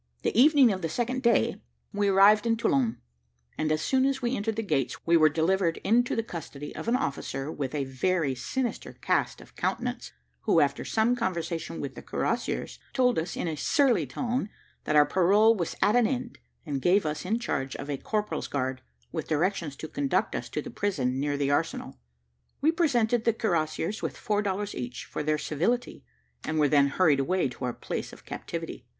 The evening of the second day we arrived in Toulon, and as soon as we entered the gates, we were delivered into the custody of an officer, with a very sinister cast of countenance, who, after some conversation with the cuirassiers, told us in a surly tone that our parole was at an end and gave us in charge of a corporal's guard, with directions to conduct us to the prison near the Arsenal. We presented the cuirassiers with four dollars each, for their civility, and were then hurried away to our place of captivity.